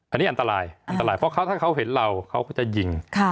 อันนี้อันตรายอันตรายเพราะถ้าเขาเห็นเราเขาก็จะยิง